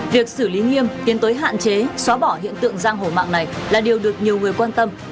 việc xử lý nghiêm tiến tới hạn chế xóa bỏ hiện tượng giang hổ mạng này là điều được nhiều người quan tâm